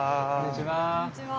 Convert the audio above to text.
こんにちは。